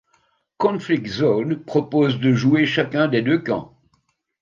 Conflict Zone propose de jouer chacun des deux camps.